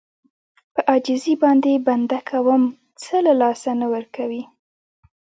په عاجزي باندې بنده کوم څه له لاسه نه ورکوي.